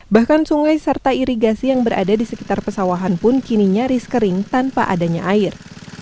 bahkan sungai serta irigasi yang berada di sekitar pesawahan pun kini nyaris kering tanpa adanya air